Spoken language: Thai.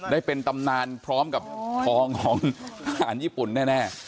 ได้เป็นตำนานพร้อมกับทองของทหารญี่ปุ่นแน่